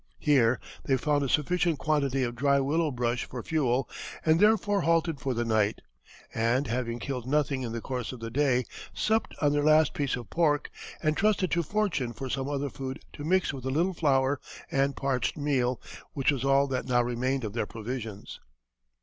Here they found a sufficient quantity of dry willow brush for fuel, and therefore halted for the night, and, having killed nothing in the course of the day, supped on their last piece of pork, and trusted to fortune for some other food to mix with a little flour and parched meal, which was all that now remained of their provisions."